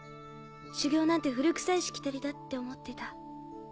修行なんて古くさいしきたりだって思ってた。